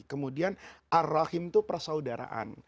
kemudian arrahim itu persaudaraan